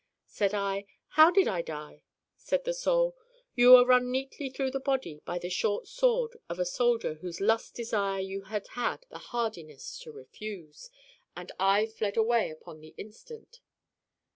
Said I: 'How did I die?' Said the Soul: 'You were run neatly through the body by the short sword of a soldier whose lust desire you had had the hardihood to refuse and I fled away upon the instant.